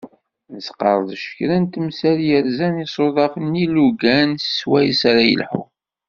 Nesqerdec kra n temsal yerzan isuḍaf d yilugan i swayes ara yelḥu.